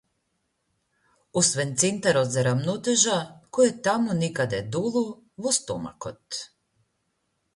Освен центарот за рамотежа, кој е таму некаде долу, во стомакот.